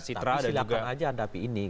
citra ada juga silahkan saja hadapi ini